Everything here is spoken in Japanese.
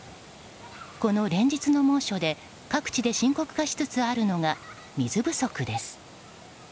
この連日の猛暑で各地で深刻化しつつあるのが水不足です。